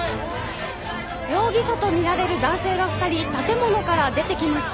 容疑者と見られる男性が２人建物から出てきました。